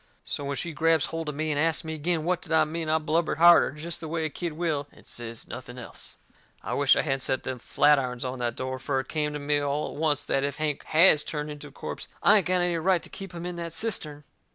So when she grabs holt of me and asts me agin what did I mean I blubbered harder, jest the way a kid will, and says nothing else. I wisht I hadn't set them flatirons on that door, fur it come to me all at oncet that even if Hank HAS turned into a corpse I ain't got any right to keep him in that cistern.